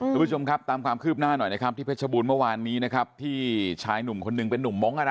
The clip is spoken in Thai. คุณผู้ชมครับตามความคืบหน้าหน่อยนะครับที่เพชรบูรณ์เมื่อวานนี้นะครับที่ชายหนุ่มคนหนึ่งเป็นนุ่มมงค์